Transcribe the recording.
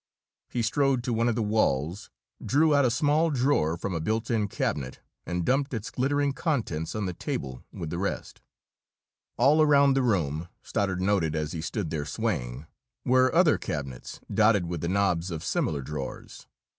He strode to one of the walls, drew out a small drawer from a built in cabinet and dumped its glittering contents on the table with the rest. All around the room, Stoddard noted as he stood there swaying, were other cabinets dotted with the knobs of similar drawers.